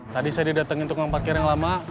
tadi saya didatengin tukang parkir yang lama